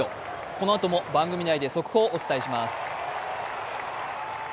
このあとも番組内で速報をお伝えします。